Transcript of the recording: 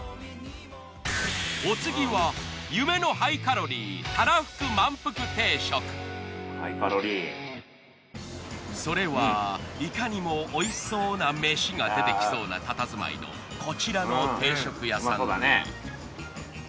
お次はそれはいかにもおいしそうな飯が出てきそうなたたずまいのこちらの定食屋さんに。